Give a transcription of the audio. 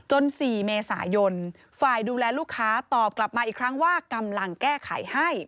๔เมษายนฝ่ายดูแลลูกค้าตอบกลับมาอีกครั้งว่ากำลังแก้ไขให้